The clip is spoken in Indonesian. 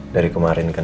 dari kemarin kan